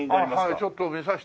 はいちょっと見させて。